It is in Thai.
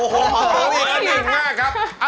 โอ้โฮเหลือ๑มากครับ